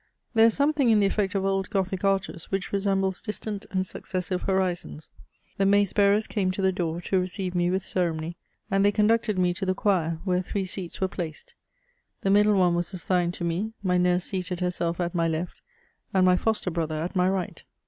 There is something in the effect of old gothic arches which resembles distant and successive horizons. The mace bearers came to the door to receive me with ceremony, and they conducted me to the choir, where three seats were placed. The middle one was assigned to me ; my nurse seated herself at my left, and my foster brother at my right.